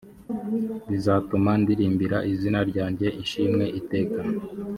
bizatuma ndirimbira izina ryawe ishimwe iteka